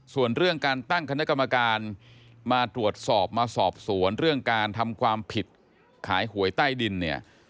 ส่วนเรื่องการตั้งคณะกรรมการมาตรวจสอบมาสอบสวนเรื่องการทำความผิดขายหวยใต้ดินเนี่ย